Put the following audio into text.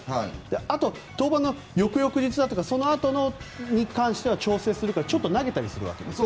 あと、登板の翌々日だとかそのあとに関しては調整するから、ちょっと投げたりするわけですね。